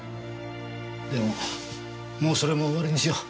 でももうそれも終わりにしよう。